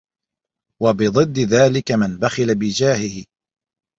وَبِضِدِّ ذَلِكَ مَنْ بَخِلَ بِجَاهِهِ